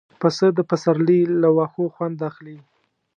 پسه د پسرلي له واښو خوند اخلي.